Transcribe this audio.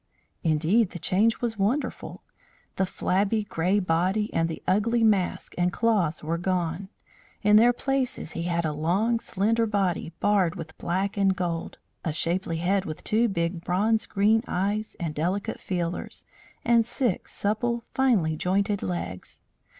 Indeed, the change was wonderful. The flabby grey body and the ugly mask and claws were gone. In their places he had a long, slender body barred with black and gold, a shapely head with two big bronze green eyes and delicate feelers, and six supple finely jointed legs.